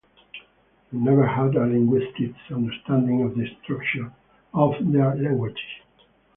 They never had a linguist's understanding of the structure of their language.